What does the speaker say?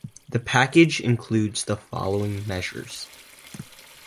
The package includes the following measures.